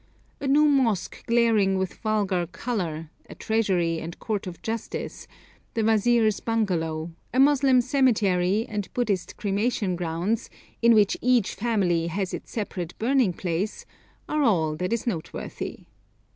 A new mosque glaring with vulgar colour, a treasury and court of justice, the wazir's bungalow, a Moslem cemetery, and Buddhist cremation grounds, in which each family has its separate burning place, are all that is noteworthy.